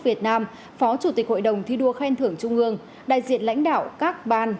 việt nam phó chủ tịch hội đồng thi đua khen thưởng trung ương đại diện lãnh đạo các ban